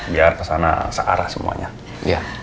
biar kesana searah semuanya